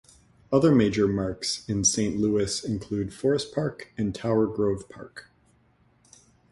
Other major parks in Saint Louis include Forest Park and Tower Grove Park.